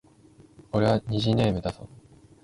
俺は虹ネームだぞ